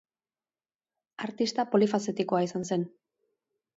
Artista polifazetikoa izan zen.